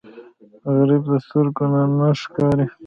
غریب د سترګو نه ښکارېږي